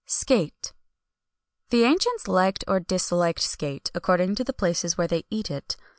[XXI 163] SCATE. The ancients liked or disliked scate, according to the places where they eat it.